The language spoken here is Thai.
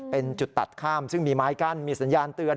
เป็นจุดตัดข้ามซึ่งมีไม้กั้นมีสัญญาณเตือน